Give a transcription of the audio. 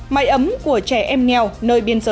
may ấm của trẻ em nghèo nơi biên giới